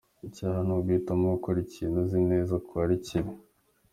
Icyaha ni uguhitamo gukora ikintu uzi neza ko ari kibi.